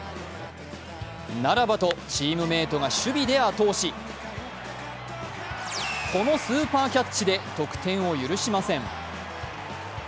ならばと、チームメートが守備で後押しこのスーパーキャッチで得点を許しません。